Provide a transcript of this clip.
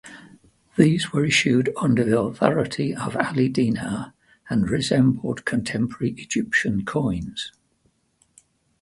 These were issued under the authority of Ali Dinar and resembled contemporary Egyptian coins.